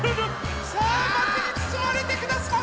さあまくにつつまれてください！